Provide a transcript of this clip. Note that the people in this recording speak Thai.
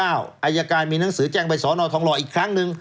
อายการมีหนังสือแจ้งไปสอนอทองหล่ออีกครั้งหนึ่ง